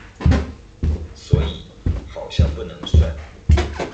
所以好像不能算